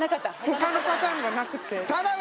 他のパターンがなくて。